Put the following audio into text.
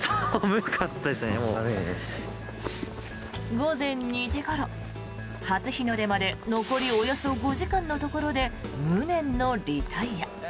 午前２時ごろ、初日の出まで残りおよそ５時間のところで無念のリタイア。